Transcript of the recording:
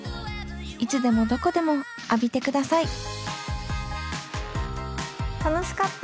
いつでもどこでも浴びてください楽しかった。